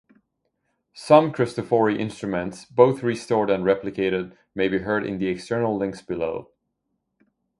Some Cristofori instruments-both restored and replicated-may be heard in the external links below.